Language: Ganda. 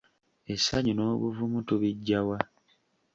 Essanyu n’obuvumu tubiggya wa?